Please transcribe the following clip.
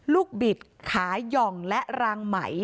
บิดขาย่องและรางไหม